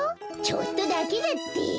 ちょっとだけだって。